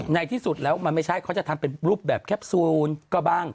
ที่สุดแล้วมันไม่ใช่เขาจะทำเป็นรูปแบบแคปซูลก็บ้าง